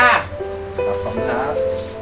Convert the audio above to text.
ครับขอบคุณครับ